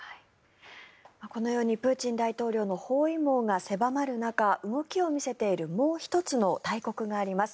このようにプーチン大統領の包囲網が狭まる中動きを見せているもう１つの大国があります。